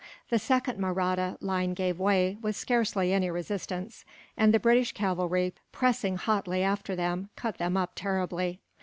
The second Mahratta line gave way, with scarcely any resistance; and the British cavalry, pressing hotly after them, cut them up terribly.